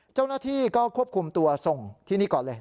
เจ้าหน้าที่ก็ควบคุมตัวส่งที่นี่ก่อนเลย